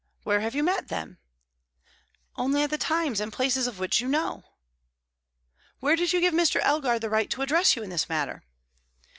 Where have you met then?" "Only at the times and places of which you know." "Where did you give Mr. Elgar the right to address you in this manner?"